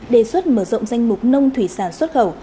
đề xuất mở rộng danh mục nông thủy sản xuất khẩu